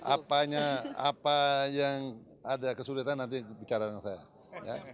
apa yang ada kesulitan nanti bicara dengan saya